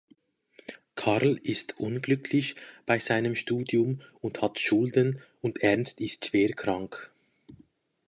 Karl ist unglücklich bei seinem Studium und hat Schulden und Ernst ist schwer krank.